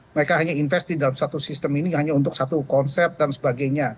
mereka hanya invest di dalam satu sistem ini hanya untuk satu konsep dan sebagainya